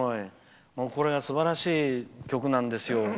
これはすばらしい曲なんですよ。